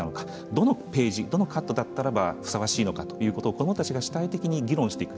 どのページどのカットだったらばふさわしいのかということを子どもたちが主体的に議論していく。